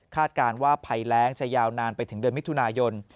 การว่าภัยแรงจะยาวนานไปถึงเดือนมิถุนายน